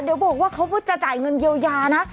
เดี๋ยวบอกว่าเขาก็จะจ่ายเงินเยียวยานะ